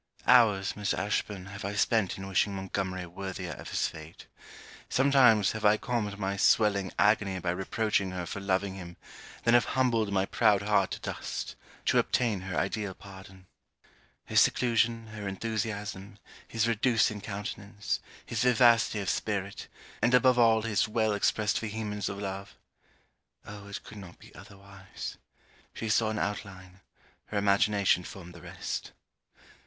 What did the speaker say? Hours, Miss Ashburn, have I spent in wishing Montgomery worthier of his fate. Sometimes, have I calmed my swelling agony by reproaching her for loving him, then have humbled my proud heart to dust, to obtain her ideal pardon. Her seclusion, her enthusiasm, his reducing countenance, his vivacity of spirit, and above all his well expressed vehemence of love! Oh it could not be otherwise! She saw an outline: her imagination formed the rest.